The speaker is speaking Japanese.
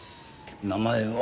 名前は。